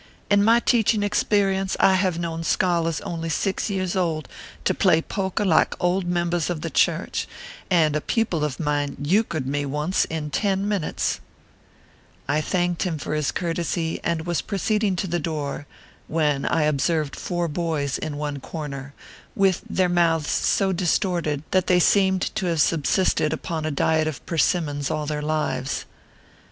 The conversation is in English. In my teach ing experience, I have known scholars only six years old to play poker like old members of the church, and a pupil of mine euchred me once in ten minutes/ I thanked him for his courtesy, and was proceed ing to the door, when I observed four boys in one corner, with their mouths so distorted that they seemed to have subsisted upon a diet of persimmons all their lives.